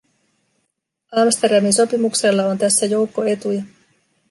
Amsterdamin sopimuksella on tässä joukko etuja.